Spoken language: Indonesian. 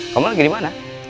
kamu lagi dimana